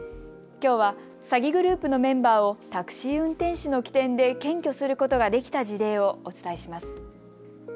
きょうは詐欺グループのメンバーをタクシー運転手の機転で検挙することができた事例をお伝えします。